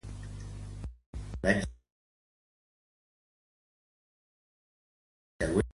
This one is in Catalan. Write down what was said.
L'any següent, va començar una gira intensiva per promocionar-lo.